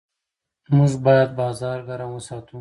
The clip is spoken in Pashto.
موږ باید بازار ګرم وساتو.